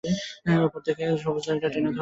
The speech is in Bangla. ওখান থেকে সবুজ দড়িটা টেনে ধরো।